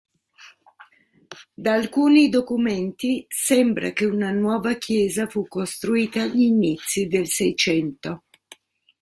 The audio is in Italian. Da alcuni documenti sembra che una nuova chiesa fu costruita agli inizi del Seicento.